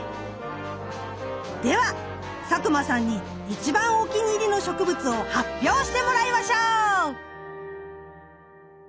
では佐久間さんに一番お気に入りの植物を発表してもらいましょう！